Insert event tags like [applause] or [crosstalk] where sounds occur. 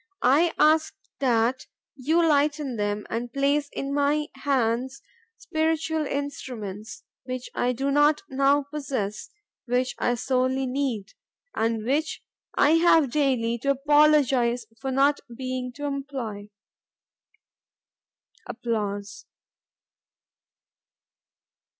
I ask that you lighten them and place in my hands instruments, spiritual instruments, which I do not now possess, which I sorely need, and which I have daily to apologize for not being able to employ. [applause]